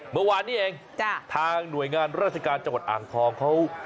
เมื่อวานนี้เองทางหน่วยงานราชการจังหวัดอ่างทองเขา